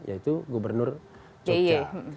yaitu gubernur jogja